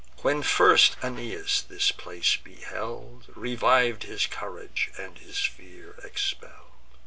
What first Aeneas in this place beheld, Reviv'd his courage, and his fear expell'd.